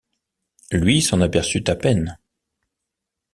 Lui s’en aperçut à peine.